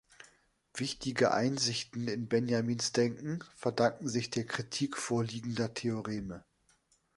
Wichtige Einsichten in Benjamins Denken verdanken sich der Kritik vorliegender Theoreme.